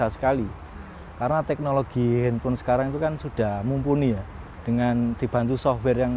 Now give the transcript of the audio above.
sekali karena teknologi handphone sekarang itu kan sudah mumpuni ya dengan dibantu software yang